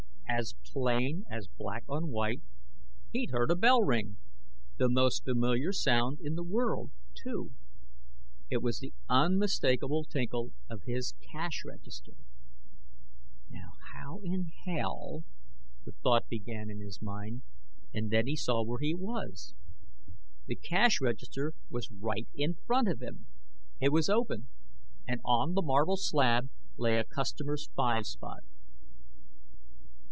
As plain as black on white, he'd heard a bell ring the most familiar sound in the world, too. It was the unmistakable tinkle of his cash register. "Now, how in hell " The thought began in his mind; and then he saw where he was. The cash register was right in front of him! It was open, and on the marble slab lay a customer's five spot.